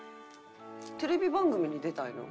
テレビ番組に出たいの？